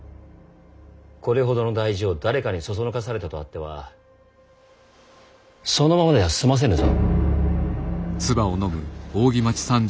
これほどの大事を誰かに唆されたとあってはそのままでは済ませぬぞ。